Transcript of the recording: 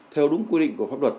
theo đúng quy định của pháp luật